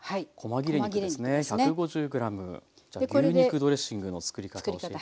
じゃあ牛肉ドレッシングのつくり方教えて下さい。